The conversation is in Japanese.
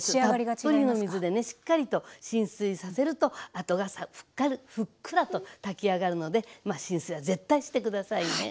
たっぷりの水でねしっかりと浸水させるとあとがふっくらと炊き上がるのでまあ浸水は絶対して下さいね。